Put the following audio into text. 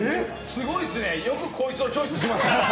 すごいですね、よくこいつをチョイスしましたね！